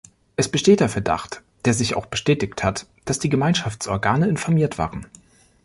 Es besteht der Verdacht, der sich auch bestätigt hat, dass die Gemeinschaftsorgane informiert waren.